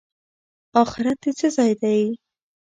اخرت د څه ځای دی؟